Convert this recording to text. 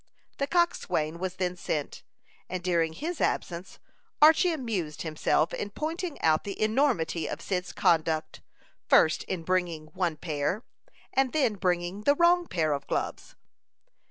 The coxswain was then sent, and during his absence, Archy amused himself in pointing out the enormity of Cyd's conduct, first in bringing one pair, and then bringing the wrong pair of gloves.